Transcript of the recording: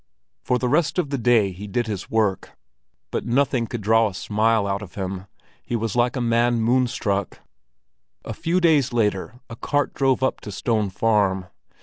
For the rest of the day he did his work, but nothing could draw a smile out of him. He was like a man moonstruck. A few days later a cart drove up to Stone Farm.